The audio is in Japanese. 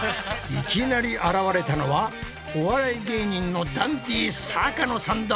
いきなり現れたのはお笑い芸人のダンディ坂野さんだ！